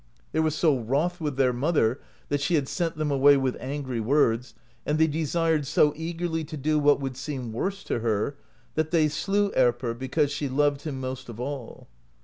They were so wroth with their mother that she had sent them away with angry words, and they desired so eagerly to do what would seem worst to her, that they slew Erpr, because she loved him most of all.